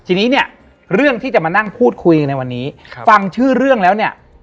ทีนี้เนี่ยเรื่องที่จะมานั่งพูดคุยในวันนี้ฟังชื่อเรื่องแล้วเนี่ย